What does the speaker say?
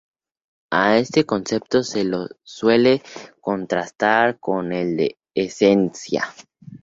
A este concepto se lo suele contrastar con el de "esencia".